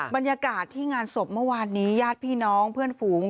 บรรยากาศที่งานศพเมื่อวานนี้ญาติพี่น้องเพื่อนฝูง